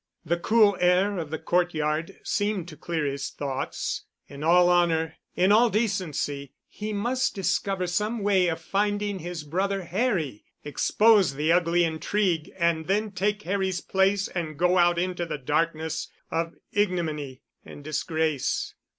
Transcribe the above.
The cool air of the court yard seemed to clear his thoughts. In all honor—in all decency, he must discover some way of finding his brother Harry, expose the ugly intrigue and then take Harry's place and go out into the darkness of ignominy and disgrace.